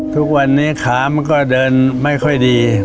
ทุกวันนี้ขามันก็เดินไม่ค่อยดี